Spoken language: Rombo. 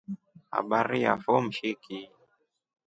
Habari yafo mshiki.